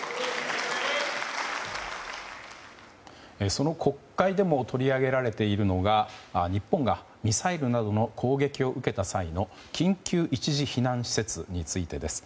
その国会でも取り上げられているのが日本がミサイルなどの攻撃を受けた際の緊急一時避難施設についてです。